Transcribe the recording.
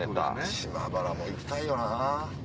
島原も行きたいよな。